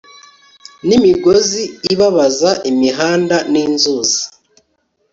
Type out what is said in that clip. Nimigozi ibabaza imihanda ninzuzi